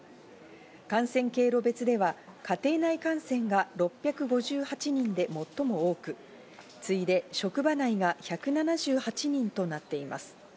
感染経路別では家庭内感染が６５８人で最も多く、次いで職場内が１７８人となっています。